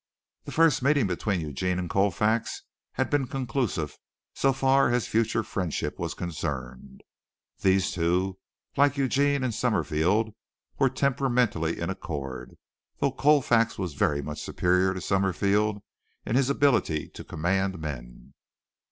The first meeting between Eugene and Colfax had been conclusive so far as future friendship was concerned. These two, like Eugene and Summerfield, were temperamentally in accord, though Colfax was very much superior to Summerfield in his ability to command men.